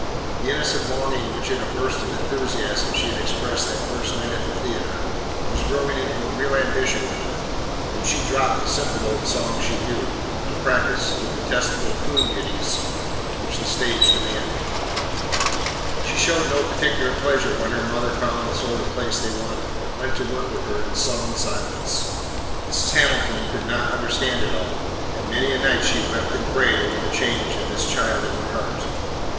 The innocent longing which in a burst of enthusiasm she had expressed that first night at the theatre was growing into a real ambition with her, and she dropped the simple old songs she knew to practise the detestable coon ditties which the stage demanded. She showed no particular pleasure when her mother found the sort of place they wanted, but went to work with her in sullen silence. Mrs. Hamilton could not understand it all, and many a night she wept and prayed over the change in this child of her heart.